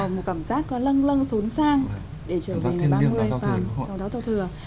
một cảm giác có lâng lâng xuống sang để trở về ngày ba mươi